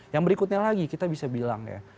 yang berikutnya lagi kita bisa bilang ya